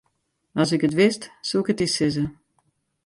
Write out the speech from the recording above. As ik it wist, soe ik it dy sizze.